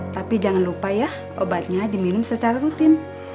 tapi jangan lupa ya obatnya diminum secara rutin